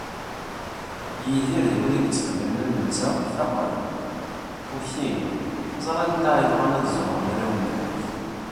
Yidir d wid yettxemmimen am netta faqen, ukin, ẓran anda i bɣan ad ẓuɣren arraw n tmurt.